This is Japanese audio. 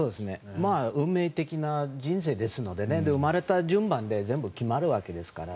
運命的な人生ですので生まれた順番で全部決まるわけですから。